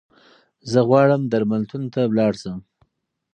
زه غواړم درملتون ته لاړشم